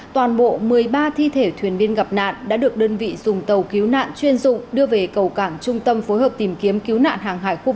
toàn bộ một mươi ba thi thể thuyền viên gặp nạn đã được đơn vị dùng tàu cứu nạn chuyên dụng đưa về cầu cảng trung tâm phối hợp tìm kiếm cứu nạn hàng hải khu bốn